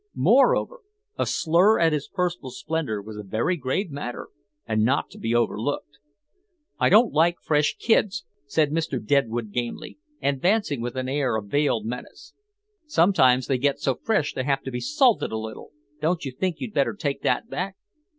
Moreover, a slur at his personal splendor was a very grave matter and not to be overlooked. "I don't like fresh kids," said Mr. Deadwood Gamely, advancing with an air of veiled menace. "Sometimes they get so fresh they have to be salted a little. Don't you think you'd better take that back?"